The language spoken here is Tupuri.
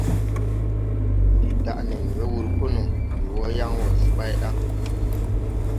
Ndi daʼ nen we wúr pō no, ndi wɔ yan wɔɔ se bay da.